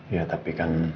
ya tapi kan